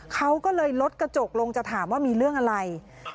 เขาก็เลยลดกระจกลงจะถามว่ามีเรื่องอะไร